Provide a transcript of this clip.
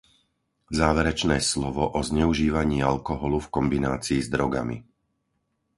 Záverečné slovo o zneužívaní alkoholu v kombinácii s drogami.